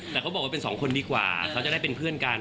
แต่เขาบอกว่าเป็นสองคนดีกว่าเขาจะได้เป็นเพื่อนกัน